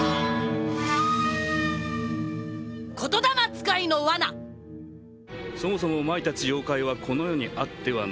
『ゲゲゲの鬼太郎』「そもそもお前たち妖怪はこの世にあってはならぬ者」